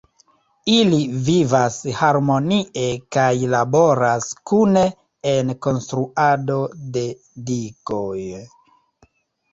Ili vivas harmonie kaj laboras kune en konstruado de digoj.